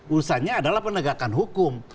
urusannya adalah penegakan hukum